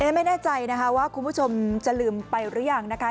ไม่แน่ใจนะคะว่าคุณผู้ชมจะลืมไปหรือยังนะคะ